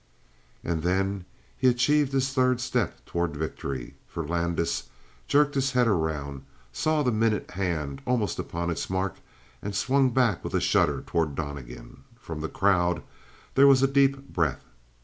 And then he achieved his third step toward victory, for Landis jerked his head around, saw the minute hand almost upon its mark, and swung back with a shudder toward Donnegan. From the crowd there was a deep breath.